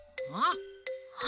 あ？